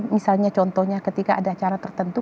misalnya contohnya ketika ada cara tertentu